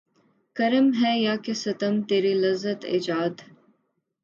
کرم ہے یا کہ ستم تیری لذت ایجاد